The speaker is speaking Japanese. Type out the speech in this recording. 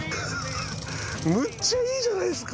むっちゃいいじゃないっすか。